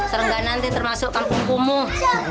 serga nanti termasuk kampung kumuh